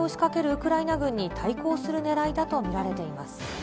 ウクライナ軍に対抗するねらいだと見られています。